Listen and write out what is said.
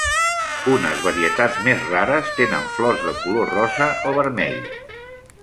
Unes varietats més rares tenen flors de color rosa o vermell.